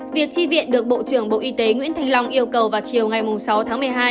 việc tri viện được bộ trưởng bộ y tế nguyễn thanh long yêu cầu vào chiều ngày sáu tháng một mươi hai